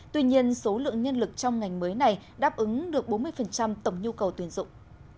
tuy nhiên số lượng nhân lực trong ngành mới này đáp ứng được bốn mươi tổng nhu cầu tuyển dụng